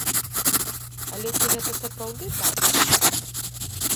Але ці гэта сапраўды так?